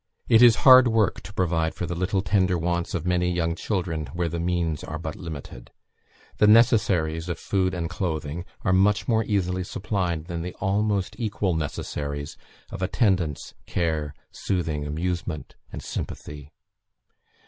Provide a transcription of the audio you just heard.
It is hard work to provide for the little tender wants of many young children where the means are but limited. The necessaries of food and clothing are much more easily supplied than the almost equal necessaries of attendance, care, soothing, amusement, and sympathy.